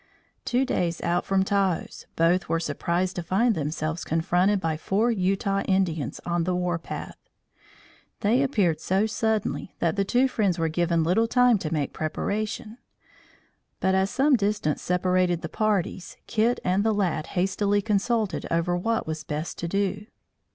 Two days out from Taos, both were surprised to find themselves confronted by four Utah Indians on the war path. They appeared so suddenly, that the two friends were given little time to make preparation; but, as some distance separated the parties, Kit and the lad hastily consulted over what was best to do.